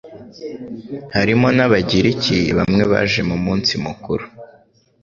harimo n'Abagiriki bamwe baje mu munsi mukuru.